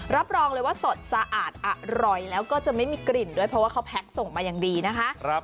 รับรองเลยว่าสดสะอาดอร่อยแล้วก็จะไม่มีกลิ่นด้วยเพราะว่าเขาแพ็คส่งมาอย่างดีนะคะ